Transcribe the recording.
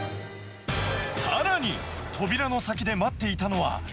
さらに、扉の先で待っていたのは。